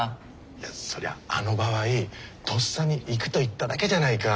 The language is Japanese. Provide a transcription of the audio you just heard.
いやそりゃあの場合とっさに行くと言っただけじゃないか。